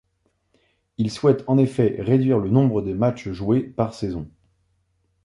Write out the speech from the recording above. Il souhaite en effet réduire le nombre de matchs joués par saison.